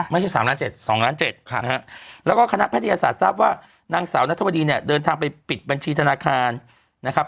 ไม่ใช่๓ล้าน๗๒ล้าน๗นะฮะแล้วก็คณะแพทยศาสตร์ทราบว่านางสาวนัทวดีเนี่ยเดินทางไปปิดบัญชีธนาคารนะครับ